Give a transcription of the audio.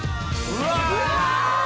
うわ！